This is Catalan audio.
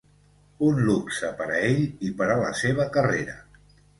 Un luxe per a ell i per a la seva carrera.